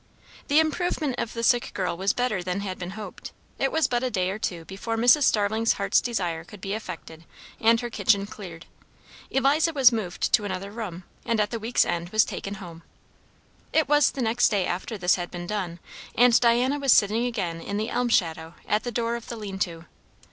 The improvement of the sick girl was better than had been hoped; it was but a day or two before Mrs. Starling's heart's desire could be effected and her kitchen cleared. Eliza was moved to another room, and at the week's end was taken home. It was the next day after this had been done; and Diana was sitting again in the elm shadow at the door of the lean to.